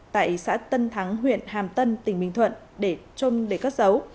tại xã tân thắng huyện hàm tân tỉnh bình thuận để cất dấu